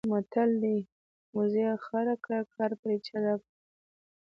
متل دی: موزي خر کړه کار پرې چرب کړه.